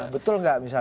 betul nggak misalnya